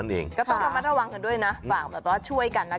ก็ต้องจะทำมาระวังกันด้วยนะฝากมาช่วยกัน